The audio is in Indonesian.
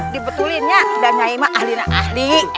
dibetulin ya dan menolongnya ahli ahli